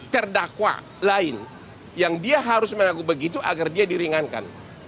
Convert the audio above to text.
terdakwa lain yang dia harus mengaku begitu agar dia diringankan